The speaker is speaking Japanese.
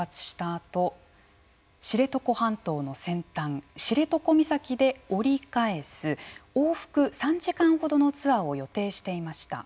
あと知床半島の先端知床岬で折り返す往復３時間ほどのツアーを予定していました。